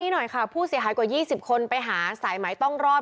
นี่หน่อยค่ะผู้เสียหายกว่า๒๐คนไปหาสายไหมต้องรอด